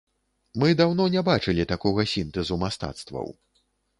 Мы даўно не бачылі такога сінтэзу мастацтваў.